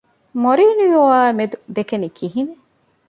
މޮރިީނިއޯއާ މެދު ދެކެނީ ކިހިނެއް؟